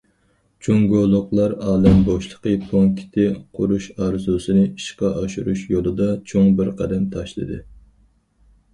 جۇڭگولۇقلار ئالەم بوشلۇقى پونكىتى قۇرۇش ئارزۇسىنى ئىشقا ئاشۇرۇش يولىدا چوڭ بىر قەدەم تاشلىدى.